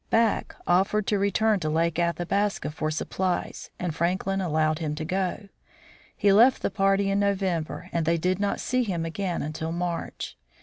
Back offered 1 8 THE FROZEN NORTH to return to Lake Athabasca for supplies, and Franklin allowed him to go. He left the party in November, and they did not see him again until March.